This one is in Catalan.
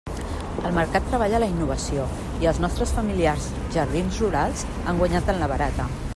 El mercat treballa la innovació i els nostres familiars jardins rurals han guanyat en la barata.